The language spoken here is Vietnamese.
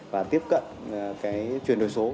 và tiếp cận cái chuyển đổi số